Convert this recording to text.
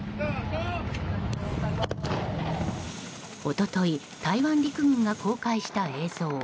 一昨日台湾陸軍が公開した映像。